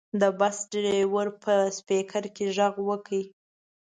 د بس ډریور په سپیکر کې غږ وکړ.